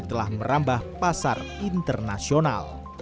telah merambah pasar internasional